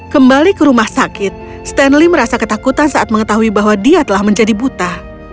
kembali ke rumah sakit stanley merasa ketakutan saat mengetahui bahwa dia telah menjadi buta